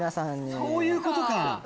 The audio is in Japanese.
そういうことか！